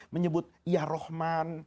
menyebut ya rohman